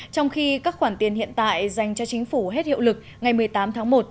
trong khi các khoản tiền hiện tại dành cho chính phủ hết hiệu lực ngày một mươi tám tháng một